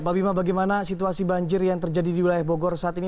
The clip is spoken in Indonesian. pak bima bagaimana situasi banjir yang terjadi di wilayah bogor saat ini